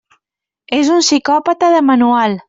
És un psicòpata de manual.